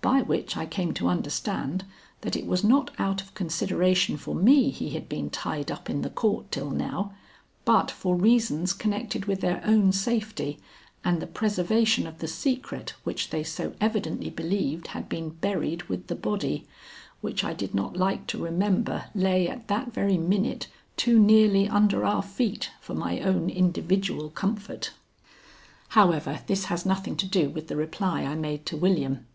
By which I came to understand that it was not out of consideration for me he had been tied up in the court till now, but for reasons connected with their own safety and the preservation of the secret which they so evidently believed had been buried with the body, which I did not like to remember lay at that very minute too nearly under our feet for my own individual comfort. However, this has nothing to do with the reply I made to William.